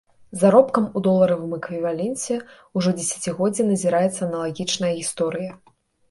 З заробкам у доларавым эквіваленце ўжо дзесяцігоддзе назіраецца аналагічная гісторыя.